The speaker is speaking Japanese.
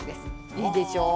いいでしょ。